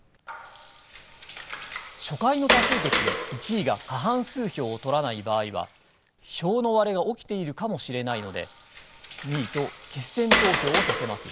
初回の多数決で１位が過半数票を取らない場合は票の割れが起きているかもしれないので２位と決選投票をさせます。